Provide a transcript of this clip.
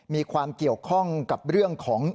มีความเกี่ยวข้องกับเรื่องของ